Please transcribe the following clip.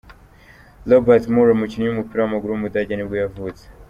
Robert Müller, umukinnyi w’umupira w’amaguru w’umudage nibwo yavutse.